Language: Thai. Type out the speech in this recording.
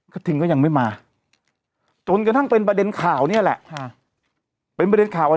ทินก็ยังไม่มาจนกระทั่งเป็นประเด็นข่าวเนี่ยแหละเป็นประเด็นข่าวอัน